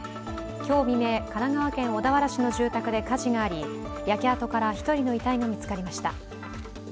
今日未明、神奈川県小田原市の住宅で火事があり、焼け跡から１人の遺体が見つかりました。